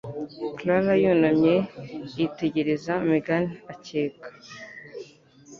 Clara yunamye, yitegereza Megan akeka.